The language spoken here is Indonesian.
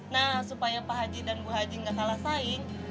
nah supaya pak haji dan bu haji gak salah saing